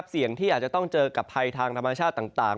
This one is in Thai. เสี่ยงที่อาจจะต้องเจอกับภัยทางธรรมชาติต่าง